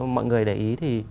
mọi người để ý thì